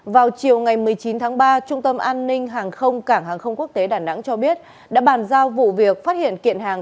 vào chiều ngày một mươi chín tháng ba trung tâm an ninh hàng không cảng hàng không quốc tế đà nẵng cho biết đã bàn giao vụ việc phát hiện kiện hàng